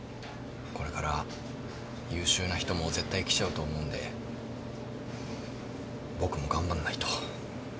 これから優秀な人も絶対来ちゃうと思うんで僕も頑張んないと。